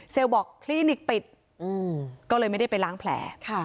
บอกคลินิกปิดก็เลยไม่ได้ไปล้างแผล